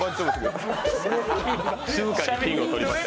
静かに金歯を取りました。